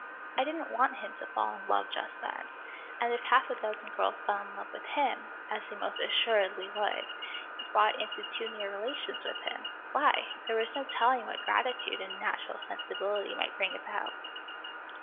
I didn't want him to fall in love just then and if half a dozen girls fell in love with him, as they most assuredly would, if brought into too near relations with him, why, there was no telling what gratitude and natural sensibility might bring about.